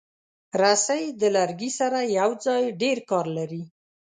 رسۍ د لرګي سره یوځای ډېر کار لري.